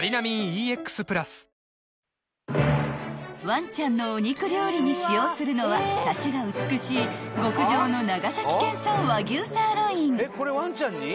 ［ワンちゃんのお肉料理に使用するのはサシが美しい極上の長崎県産和牛サーロイン］